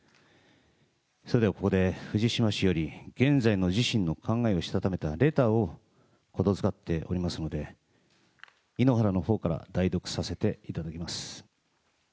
それではここで藤島氏より、現在の自身の考えをしたためたレターを言付かっておりますので、井ノ原のほうから代読させていただきます。